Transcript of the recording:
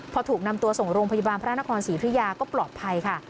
พอถูกนำตัวส่งโรงพยาบาลพระนครศรีธุริยาก็ปลอดภัยค่ะ